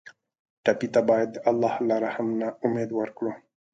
ټپي ته باید د الله له رحم نه امید ورکړو.